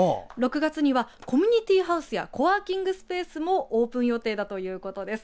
６月にはコミュニティーハウスやコワーキングスペースもオープン予定だということです。